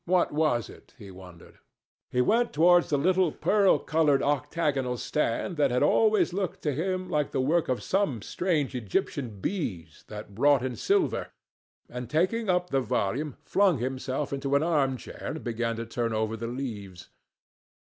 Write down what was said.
What was it, he wondered. He went towards the little, pearl coloured octagonal stand that had always looked to him like the work of some strange Egyptian bees that wrought in silver, and taking up the volume, flung himself into an arm chair and began to turn over the leaves.